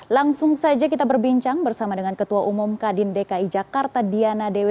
langsung saja kita berbincang bersama dengan ketua umum kadin dki jakarta diana dewi